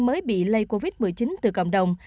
mới bị lây covid một mươi chín từ cộng đồng